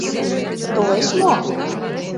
— Толеш мо?